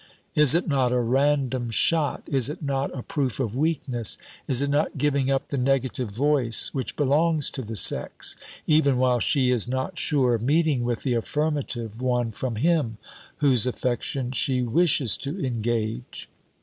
Is it not a random shot? Is it not a proof of weakness? Is it not giving up the negative voice, which belongs to the sex, even while she is not sure of meeting with the affirmative one from him whose affection she wishes to engage?